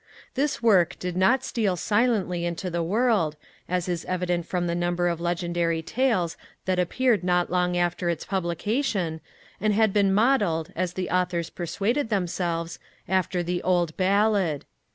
This work did not steal silently into the world, as is evident from the number of legendary tales, that appeared not long after its publication, and had been modelled, as the authors persuaded themselves, after the old Ballad.